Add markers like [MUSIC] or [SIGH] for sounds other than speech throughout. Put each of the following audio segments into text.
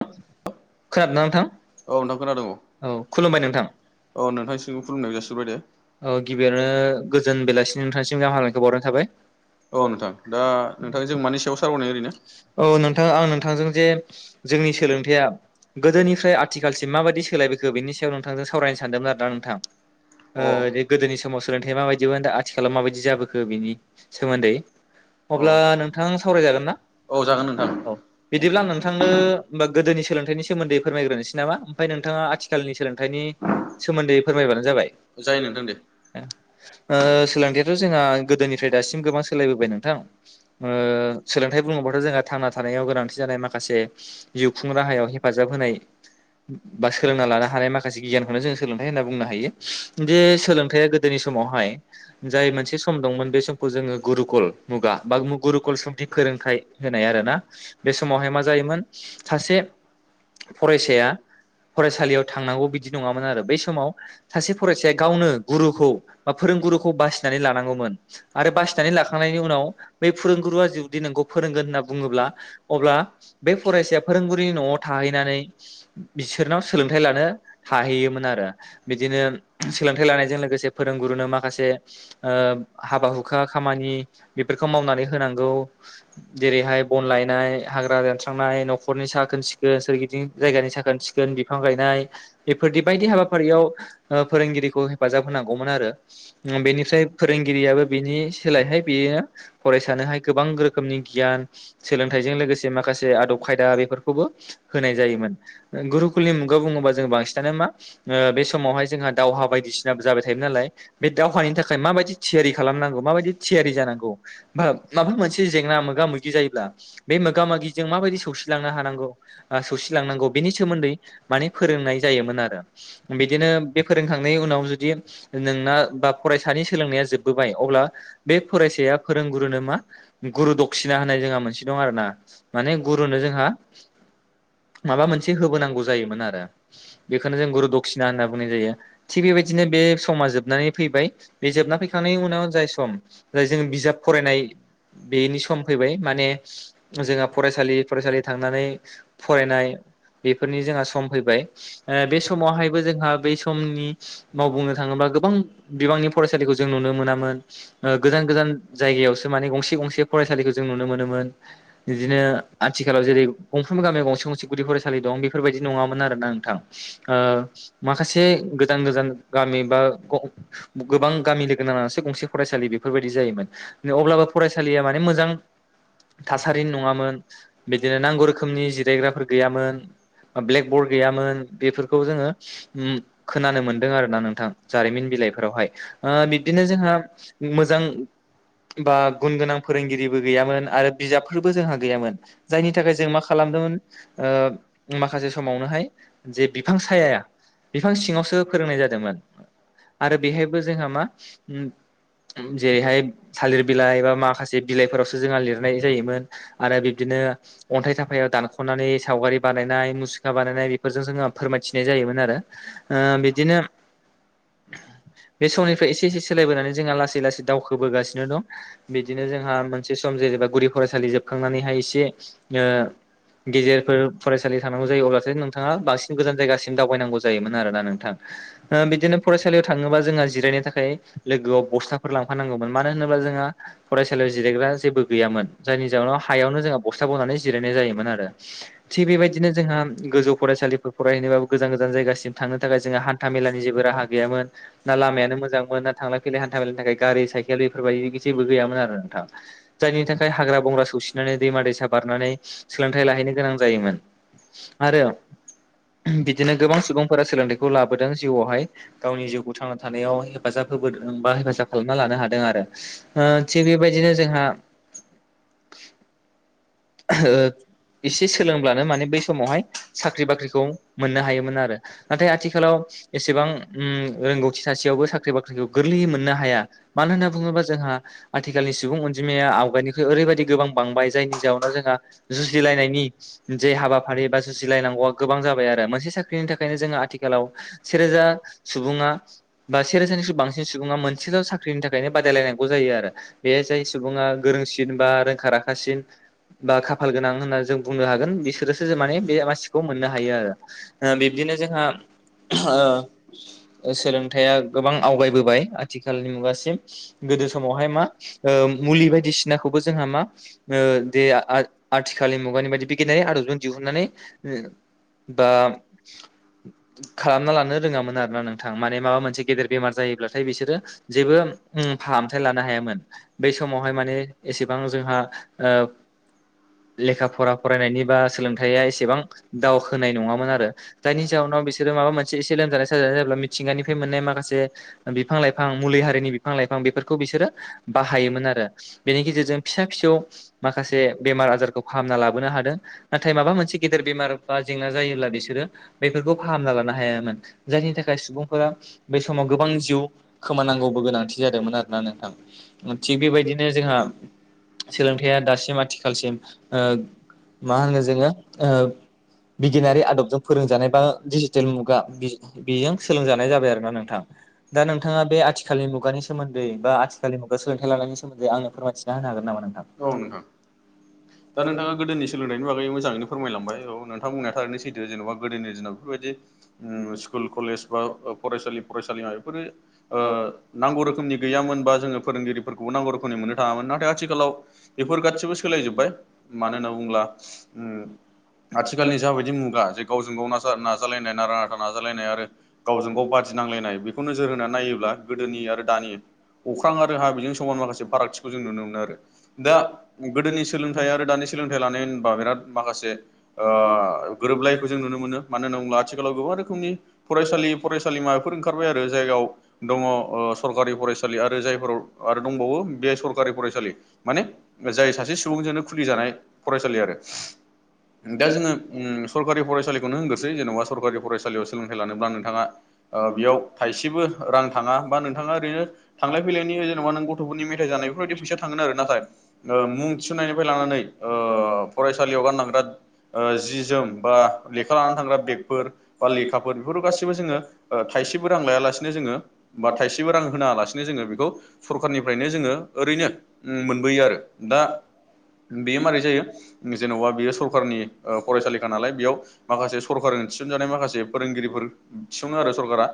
औ औ नोंथां खोनादोंङ औ नोंथांसिम खुलुमनाय जासिबाय दे ओ गिबियावनो गोजोन बेलासिनि नोंथांसिम हामलायनायखौ बावहनाय थाबाय औ नोंथां दा नोंथां जों मानि सायाव सारनाय ओरैनो औ नोंथां आं नोंथांजों जे जोंनि सोलोंथाया गोदोनिफ्राय आथिखालसिम माबायदि सोलायबायखो बेनि सायाव नोंथांजों सावरायनो सानदोंमोन आरोना नोंथां ओ गोदोनि समाव सोलोंथाइ माबायदि होनो दा आथिखालाव माबायदि जाबोखो बिनि सोमोन्दै अब्ला नोंथां सावरायजागोन ना? औ जागोन औ बिदिब्ला आं नोंथांनोबा गोदोनि सोलोंथाइनि सोमोन्दै फोरमायग्रोनोसै नामा ओमफ्राय नोंथाङा आथिखाल नि सोलोंथाइनि सोमोन्दै फोरमायबानो जाबाय सोलोंथाइयाथ जोंहा गोदोनिफ्राय दासिम गोबां सोलायबोबाय नोंथां सोलोंथाइ बुङोबथ' जोंहा थांना थानायाव गोनांथि जानाय माखासे जिउ खुं राहायाव हेफाजाब होनाय बा सोलोंना लानो हानाय माखासे गियानखौनो जों सोलोंथाइ होनना बुंनो हायो जे सोलोंथाइया गोदोनि समावहाय जाय मोनसे सम दंमोन बे समखौ जोङो गुरुकल मुगा ब गुरुकल समत फोरोंथाइ होनाय आरोना बे समावहाय मा जायोमोन सासे फरायसाया फरायसालियाव थांनांगौ बिदि नङामोन आरो बै समाव सासे फरायसाया गावनो गुरुखौ बा फोरोंगुरुखौ बासिनानै लानांगौमोन आरो बासिनानै लाखांनायनि उनाव बे फोरोंगुरुआ जिउ दि नोंखौ फोरोंगोन होनना बुङोब्ला अब्ला बे फराय फोरोंगुरिनि नआव थाहैनानै बिसोरनाव सोलोंथायाइ लानो थाहैयोमोन आरो बिदिनो सोलोंथाइ लानायजों लोगोसे फोरोंगुरुनो माखासे हाबा हुखा खामानि बेफोर नानै होनांगौ जेरैहाय बन लायनाय हाग्रा दस्रांनाय ननि सोन सि सोरगिदिं जायगानि साखोन सिखोन बिफां गायनाय बेफोर बायदि हाबाफारियाव फोरोंगिरिखौ हेफाजाब होनांगौमोन आरो बेनिफ्राय फोरोंगिरियाबो बिनि सोलायहाय बेयोनो फरायसानोहाय गोबां रोखोमनि गियान सोलोंथाइजों लोगोसे माखासे आदब खायदा बेफोरखौबो होनाय जायोमोन गुरुकुलनि मुगायाव बुङोबा जों बांसिनानो मा बे समावहाय जोंहा दावहा बायदिसिनााबो जाबाय थाय नालाय बे दावहानि थाखाय माबायदि थियारि खालामनांगौ माबायदि थियारि जानांगौ बा माबा मोनसे जेंना मोगा मोगि जायोब्ला बे मोगा मोगिजों माबायदि सौसिलांनो हानांगौ सौसिलांनांगौ बिनि सोमोन्दै माने फोरोंनाय जायोमोन आरो बिदिनो बे उनाव जुदि नोंना बा फरायसानि सोलोंनाया जोबबोबाय अब्ला बे फरायसाया फोरों गुरुनो मा गुरु दक्सिना होननाय जोंहा मोनसे दं आरो ना माने गुरुनो जोंहा माबा मोनसे होबोनांगौ जायोमोन आरो बेखौनो जों गुरु दक्षिना होनना बुो थिग बेबायदिनो बे समा जोबनानै फैबाय बे जोबना फैखांनायनि उनाव जाय सम ज जों बिजाब फरायनाय बेनि सम फैबाय माने जोंहा फरायसालि फरायसालि थांनानै फरायनाय बेफोरनि जोंहा सम फैबाय बे समावहायबो जोंहा बै समनि माव बुंनो थाङोबा गोबां बिबांनि फरायसालिखौ जों नुनो मोनामोन ओ गोदान गोदान गोदान जायगायावसो जों माने गंसे गंसे फरायसालिखौ नुनो मोनोमोन बिदिनो आथिखालाव जेरै गंफा गुदि फरायसालि दं बेफोरबायदि नङामोन आरोना नोंथां ओ माखासे गोजान गोजान गामि बा गोबां गामि लोगो नांनानैसो गंसे फरायसालि बे बेफोरबायदि जायोमोन अब्लाबो फरायसालिया माने मोजां थासारिनि नङामोन बिदिनो नांगौ रोखोमनि जायग्राफोर गैयामोन ब्लेक बरर्ड गैयामोन बेफोरखौ जोङो ओम खोनानो मोनदों आरो ना नोंथां जारिमिन बिलाइफोरावहाय बिबदिनो जोंहा ओम मोजां बा गुन गोनां फोरोंगिरिबो गैयामोन आरो बिजाबफोरबो जोंहा गैयामोन जायनि थाखाय जों माखा ओ माखासे समावनोहाय जे बिफां साया बिफां सिङावसो फोरोंनाय जादोंमोन आरो बेहायबो जोंहा मा ओम जेरैहाय थालिर बिलाइ बा माखासे बिलाइफोरावसो जोंहा लिरनाय जायोमोन आरो बिबदिनो अनथाइ थाफायाव दानख'नानै सावगारि बानायनाय मुसुखा बानायनाय बेफोरजों जो फोरमायथिनाय जायोमोन आरो ओ बिदिनो बे समनिफ्राय एसे एसे सोलायबोनानै जों लासै लासै दावखबोगासिनो दं बिदिनो जोंहा मोनसे सम जेनेबा गुदि फरायसालि जोबखांनानैहाय एसे गेजेरफोर फरायसालि थानांगौ जायो अब्लासो नोंथाङा बांसिन गोजान जायगासिम दावबायनांगौ जायोमोन आरोना नोंथां ओ बिदिनो फरायसालियाव थाङोबा जोंहा जिरायनो थाखाय लोगोयाव बसथा लांफानांगौमोन मानो होनोब्ला जोंहा फरायसालियाव जिरायग्रा जेबो गैयामोन जायनि जाउनाव हायाव जों बस थां बनानै जिरायनाय जायोमोन आरो थिग बेबायदिनो जोंहा गोजौ फरायसालिफोर फरायहैनोबाबो गोजान गोजान जायगासिम थांनो थाखाय जोंहा हानथा मेलानि जेबो राहा गैामोन ना लामायानो मोजां मोन ना थांलाय फैलाय हानथा मेलानि थाखाय गारि साइकेल बेफोरबायदि जेबो गैयामोन आरो नोंथां जायनि थाखाय हाग्रा बंग्रा सौसिनानै दैमा दैसा बार नानै सोलोंथाइ लाहैनो गोनां जायोमोन आरो बिदिनो गोबां सुबुंफोरा सोलोंथाइखौ लाबोदों जिउयावहाय गावनि जिउखौ थांना थानायाव हेफाजाब होबोदों बा हेफाजाब खालामना लानो हादों आरो ओ थिग बेबायदिनो जोंहा ओ एसे सोलोंब्लानो माने बै समावहाय साख्रि बाख्रिखौ मोननो हायोमोन आरो नाथाय आथिखालाव एसेबां ओम रोंगौथि सासेयावबो साख्रि बाख्रिखौ गोरलैयै मोननो हाया मानो होनना बुङोबा जोंहा आथिखालनि सुबुं अनिमाया आवगायनिख्रुय ओरैबायदि गोबां बांबाय जायनि जाउनाव जों आ जुजिलायनायनि जे हाबाफारि बा जुजिलायनांगौया गोबां जाबाय आरो मोनसे साख्रिनि थाखायनो जों जों आथिखालाव सेरोजा सुबुङा बा सेरोजानिख्रुइ बांसिन सुबुङा मोनसेल' साख्रिनि थाखायनो बादायलायनांगौ जायो आरो बे जाय सुबुङा गोरोंसिन बा रोंखा राखासिन बा खाफाल गोनां होनना जों बुंनो हागोन बिसोरोसो जों माने बे मानसिखौ मोननो हायो आरो ओ बिबदिनो जोंहा ओ सोलोंथाया गोबां आवगायबोबाय आथिखालनि मुगासिम गोदो समावहाय मा ओ मुलि बायदिसिनाखौबो जोंहा मा ओ दे आ आथिखालनि मुगानि बायदि बिगियानारि आदबजों दिहुननानै बा खालामना लानो रोङामोन आरोना नोंथां माने माबा मोनसे गेदेर बेमार जायोब्लाथाय बिसोरो जेबो ओम फाहामथाय लानो हायामोन बै समावहाय माने एसेबां जोंहा ओ [INAUDIBLE] लेखा फरा फरायनायनि बा सोलोंथायाया एसेबां दावखोनाय नङामोन आरो जायनि जाउनाव बिसोर माबा मोनसे एसे लोमजानाय साजानाय जेब्ला मिथिंगानिफ्राय मोननाय माखासे बिफां लाइफां मुलि हारिनि बिफां लाइफां बेफोरखौ बिसोरो बाहायोमोन आरो बेनि गेजेरजों फिसा फिसौ मा खासे बेमार आजारखौ फाहामना लाबोनो हादों नाथाय माबा मोनसे गेदेर बेमार बा जेंना जायोब्ला बिसोरो बेफोरखौ फाहामना लानो हायामोन जायनि थाखाय सुबुंफोरा बे समाव गोबां जिउ खोमानां गौबो गोनांथि जादोंमोन आरोना नोंथां थिग बेबायदिनो जोंहा सोलोंथया दासिम आथिखालसिम ओ मा होनो जोङो ओ बिगियानारि आदबजों फोरोंजानाय बा डिजिटेल मुगा बे बेजों सोलोंजानाय जाबाय आरोना नोंथां दा नोंथाङा बे आथिखालनि मुगानि सोमोन्दै बा आथिखालनि मुगायाव सोलोंथाइ लानायनि सोमोन्दै आंनो फोरमायथिना होनो हा गोन नामा नोंथां? दा नोंथाङा गोदोनि सोलोंथाइनि बागै मोजाङैनो फोरमायलांबाय औ नोंथांमोननिा थारै सैथो जेनबा गोदोनि दिनाव बेफोरबायदि ओम स्कुल कलेज बा फरायसालि फरायसालिमा बेफोरो ओ नांगौ रोखोमनि गैया मोनबा जोङो फोरोंगिरिफोरखौबो नांगौ रोखोमनि मोननो थाङामोन नाथाय आथिखालाव बेफोर गासिबो सोलाय जोबबाय मानो होनना बुङोब्ला ओम आथिखालनि जाबायदि मुगा जे गावजों गाव ना नाजालायनाय नारा नाथा नाजालायनाय आरो गावजों गाव बादि नांलायनाय बेखौ नोजोर होनानै नायोब्ला गोदोनि आरो दानि अख्रां आरो हा बेजों समाव माखासे फारागथिखौ जों नुनो मोनो आरो दा गोदोनि सोलोंथाइ आरो दानि सोलोंथाइ लानानै बा बिराद माखासे ओ गोरोबलायखौ जों नुनो मोनो मानो होननानै बुंब्ला आथिखालाव गोबां रोखोमनि फरायसालि फरायसालिमा बेफोर ओंखारबाय आरो जायगायाव दङ सरकारि फरायसालि आरो जायफोराव आरो दंबावो बे सरकारि फरायसालि माने जाय सासे सुबुंजोंनो खुलि जानाय फरायसालि आरो दा जोङो सरखारि फरायसालिखौनो होनग्रोसै जेन'बा सरकारि फरायसालियाव सोलोंथाइ लानोब्ला नोंथाङा ओ बेयाव थाइसेबो रां थाङा बा नोंथाङा ओरैनो थांलाय फैलायनि जेन'बा नों गथ'फोरनि मेथाइ जा बेफोरबायदि फैसा थांगोन आरो नाथाय मुं थिसन्नायनिफ्राय लानानै ओ ओ फरायसालियाव गाननांग्रा ओ जि जोम बा लेखा लानानै थांग्रा बेगफोर बा लेखा बेफोर गाैबो जोङो थाइसेबो रां लायालासेनो जोङो बा थाइसेबो रां होना लासिनो जोङो बेखौ सरखारनिफ्रायनो जोङो ओरैनो मोनबोयो आरो दा बेयो मारै जायो जेनबा बेयो सरखारनि ओ फरायसालिखा नालाय बेयाव माखासे सरकार थिसनजानाय माखासे फोरोंगिरिफोर थिसनो आरो सरकारा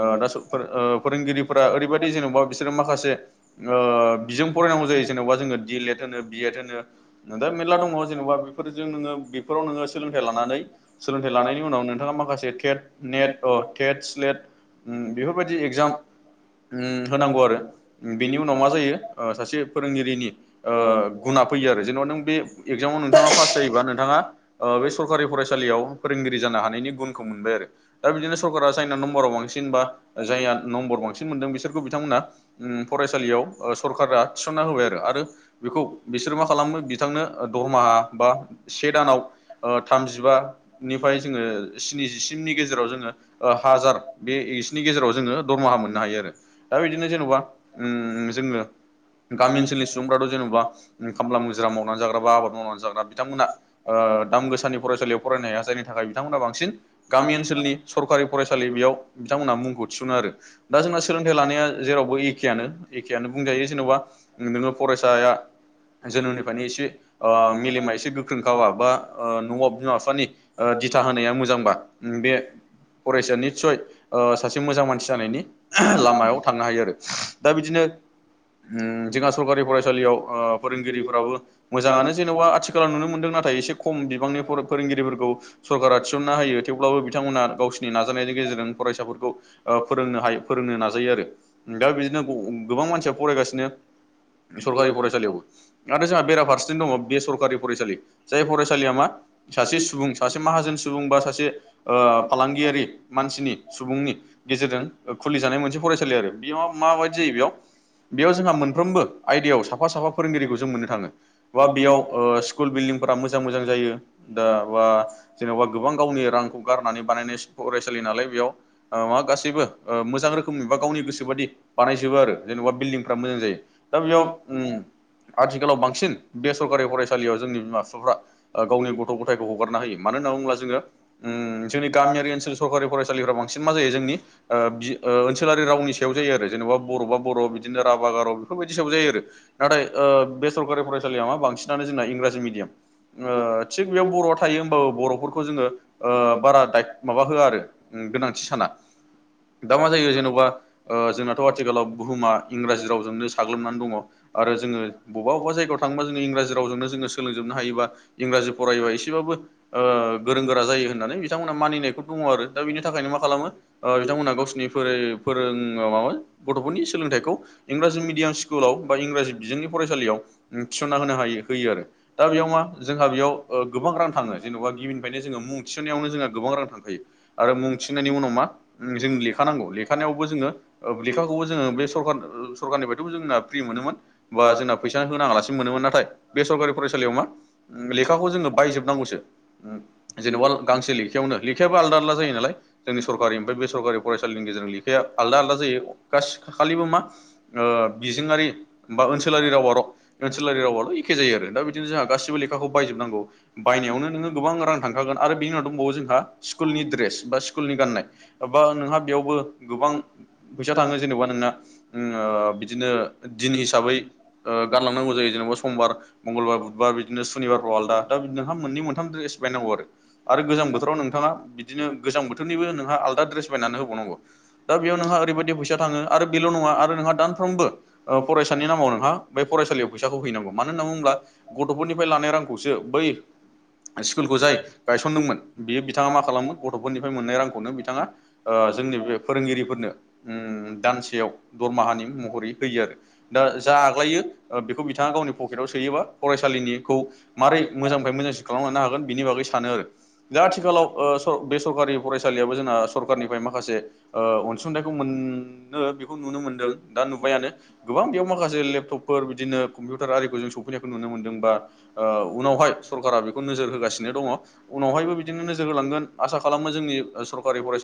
ओ दा सरकार फोरोंगिरिफोरा ओरैबायाददि जेनेबा बिसोरो माखासे ओ बिजों फरायनांगौ जायो जेनेबा जोङो दिड एल एड होनो बिएड होनो नों दा मेर्ला दङ जेनबा बेफोरजों नोङो बेफोराव नोङो सोलोंथाइ लानानै सोलोंथाइ लानायनि उनाव नोंथाङा माखासे नेट नेत सेट स्लेत बेफोरबायदि एगजाम होनांगौ आरो बेनि उनाव मा जायो सासे फोरोंगिरिनि ओ गुना फैयो आरो जेनेबा नों बे एगजामाव नोंथाङा पास जायोबा नोंथाङा बे सरकारि फरायसा लियाव फोरोंगिरि जानो हानायनि गुनखौ मोनबाय आरो, दा बिदिनो सरकारा जायना नम्बाराव बांसिन बा जाया नम्बर बांसिन मोनदों बिसोरखौ बिथांमोना फरायसालियाव सरखारा थिसनना होबाय आरो आरो बेखौ बिसोरो मा खालामो बिथांनो दरमाहा बा से दानाव थामजिबा निफ्राय जोङो स्निजिसिननि गेजेराव जोङो हाजार बेनि गेजेराव जोङो दमा मोननो हायो आरो दा बिदिनो जेनबा जोङो गामि ओनसोलनि सुबुंफोरा जेनबा खामला मुजिरा मावनानै जाग्रा बा आबाद मावनानै जाग्रा बिथांमोना दाम गोसानि फरायसालियाव फराय फरायनाय हा जायनि थाखाय बिथांमोना बांसिन गामि ओनसोलनि सरकारि फरायसालि बेयाव बिथांमोनहा मुंखौ थिसुनो आरो। दा जोंना सोलोंथाइ लानाया जेरावबो एखेयनो एखेयनो बुंजायो जेनेबा नोङो फरेस फिस जोनोमनिफ्रायनो एसे मेलेमा एसे गोख्रोंखा बा न'आव बिमा बिफानि दिथा होनाया मोजांबा बे फरायसाया निसय सासे मोजां मानसि जानायनि लामायाव थांनो हायो आरो दा बिदिनो जाङा सखारि फराय फोरोंगिरिफोराबो मोजाङानो जेनेबा आथिखालाव नुनो मोनदों ना एसे खम बिबांनि फोरोंगिरि फोरखौ सरकारा थिसननो हायो थेवब्लाबो बिथांमोना गावसिनि नाजानायनि गेजेरजों फरायसाफोरखौ फोरोंनो हायो फोरोंनो नाजायो आरो दा बिदिनो गोबां मानसिया फरायगासिनो सरकारि फरायसालियाव आरोथाय जोंहा बेराफारसेनो दङ बे सरकारि फरायसालि जाय फरायसालिया मा सासे सुबुं सासे माहाजोन सुबुं बा सासे फालांगियारि मानसिनि सुबुं गेजेरजों खुलिजानाय मोनसे फरायसालि आरो बेयाव माबायदि जायो बेयाव बेयाव जोंहा मोनफ्रोमबो आयदायाव साफा साफा फोरोंगिरिखौ जों मोननो थाङो बा बेयाव स्कुल बिल्डिंफोरा मोजां मोजां जायो। दा बा जेनेबा गोबां गावनि रांखौ गारनानै बानायनाय फरायसालि नालाय बेयाव मा गासैबो ओ मोजां रोखोमनि बा गावनि गोसो बादि बानायजोबो आरो जेन'बा बिल्डिंफ्रा मोजां जायो। दा बेयाव ओम। आथिखालाव बांसिन बे सरकारि फरायसालियाव जोंनि बिमा-बिफाफ्रा ओ गावनि गथ' गथायखौ हगारना होयो मा नो होनना बुोब्ला जोङो ओम जोंनि गामियारि ओनसोल सरकारि फरायसालिफोरा बांसिन मा जायो जोंनि ओ बि ओनसोलारि रावनि सायाव जायो आरो जेनेबा बर' बा बर' बिदिनो राभा, गार' सायाव जायो आरो नाथाय ओ बे सरकारि फरायसालिया मा बांसिनानो जोंना इंराजि मिडियाम ओ थिग बेयाव बर' थायो होमबाबो बर'फोरखौ जोङो ओ बारा दाम ओ माबा होआ आरो गोनांथि दा मा जायो जेन'बा ओ जोंनाथ' आथिखालाव बुहुमा इंराजि रावजोंनो साग्लोबनानै दङ'आरो जोङो बबा बबा जायायाव थाङोबा जोङो इंराजि रावजोंनो जोङो सोंलोंजोबनो हायोबा इंरा जि फरायोबा इसेबाबो ओ गोरों गोरा जायो होन्नानै बिथांमोना मानिनायखौ दङ' आरो दा बिनि थाखायनो मा खालामो ओ बिथांमोनहा गावसिनि फोरो फोरोङ माबा गथ'फोरनि सोलोंथाइखौ इंराजि मिडियाम स्कुलाव बा इंराजि बिजोंनि फरायसालियाव थिसनना होनो हायो होयो आरो दा बेयाव मा जोंहा बेयाव ओ गोबां रां थाङो जेन'बा गिबिनिफ्रायनो जोङो मुं थिननायावनो जोंहा गोबां रां थांखायो आरो मुं थिसननायनि जों लेखानांगौ लेखानायावबो जोङो लेखाखौबो जोङो बे सरखार सरखारनि बायदि। जोंना फ्रि मोनोमोन बा जोंना फैसा होनाङालासिनो मोनोमोन नाथाय बे सरखारि फरायसालियाव मा ओम लेखाखौ जोङो बायजोबनांगौसो जेन'बा गांसे लेखायावनो लेखायाबो आलदा आलदा जायो नालाय जोंनि सरकारि ओमफ्राय बे सरकारि फरायसालिनि गेजेरजों लेखाया आलादा आलादा जायो गासै खालिबो मा ओ बिजोंङारि बा ओनसोलारि रावार'' ओनसोलारि रावाल' एखे जायो आरो दा बिदिनो जोंहा गासिबो लेखा खौ बायजोबनांगौ बायनायावनो नोङो गोबां रां थांखागोन आरो बिनि उनाव दोंबावो जोंहा स्कुलनि द्रेस बा स्कु नि गाननाय बा नोंहा बेयावबो गोबां फैसा थाङो जेन'बा नोंना ओम नो दिन हिसाबै ओ गानलांनांगौ जायो जेन'बा समबार मंगलबार बुधबार बिदिनो सुनिबारफोराव आलदा दा नोंहा मोननै मोनथाम द्रेस बायनांगौ आरो आरो गोजां बोथोराव नोंथाङा बिदिनो गोजां बोथोरनि आलदा द्रेस बायनानै होबाव नांगौ दा बियाव नोंहा ओरैबायदि फैसा थाङो आरो बेल' नङा आरो नोंहा दान फ्रोमबो ओ फरायसानि नामाव नोंहा बे फरायसालियाव फैसाखौ हैनांगौ मानो होनना बुोङोब्ला गथ'फोरनिफ्राय लानाय रां खौसो बै स्कुलखौ जाय गायसनदोंमोन बियो बिथाङा मा खालामो गथ'फोरनिफाय खौनो बिथाङा ओ जोंनि बे फोरोंगिरिफोरनो ओम दानसेयाव दरमाहानि म होयो आरो दा जा आग्लायो ओ बेखौ बिथाङा गावनि पकेटाव सोयो बा फरायसालिनिखौ मारै मोजांनिफ्राय मोजांसिन खालामलांनो हागोन बिनि बागै सानो आरो दा आथिखालाव ओ बे सरकारि सालियाबो जोंना सरखारनिफ्राय माखासे ओ अनसुंथाइखौ मोननो बेखौ नुनो मोनदों दा नुबायानो गोबां बेयाव माखासे लेपटपफोर बिदिनो कम्पिउटार आरिखौ जों सौफैनायखौ नुनो मोनदों बा ओ उनावहाय सरकारा बेखौ नोजोर होगासिनो दङ' उनावहायबो बिदिनो नोजोर होलांगोन आसा खालामो जों नि सरकारि फरायसा